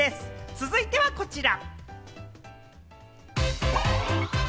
続いてはこちら！